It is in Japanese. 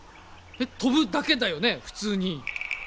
飛ぶだけだよね普通に。